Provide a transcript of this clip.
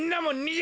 え！